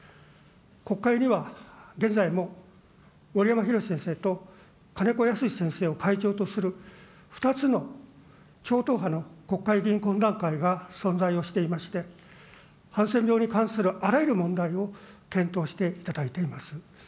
国会には現在ももりやまひろし先生とかねこやすし先生を会長とする、２つの超党派の国会議員懇談会が存在をしていまして、ハンセン病に関するあらゆる問題を検討していただいています。